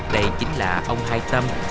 đây chính là ông hai tâm